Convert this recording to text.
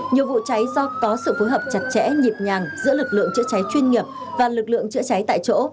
nhiều vụ cháy do có sự phối hợp chặt chẽ nhịp nhàng giữa lực lượng chữa cháy chuyên nghiệp và lực lượng chữa cháy tại chỗ